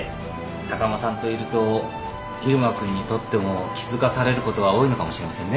坂間さんといると入間君にとっても気付かされることが多いのかもしれませんね。